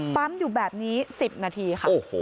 ปั๊มอยู่แบบนี้๑๐นาทีค่ะ